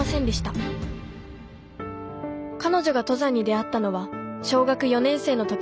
彼女が登山に出会ったのは小学４年生の時。